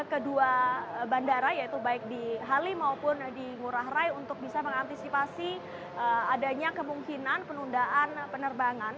kedua bandara yaitu baik di halim maupun di ngurah rai untuk bisa mengantisipasi adanya kemungkinan penundaan penerbangan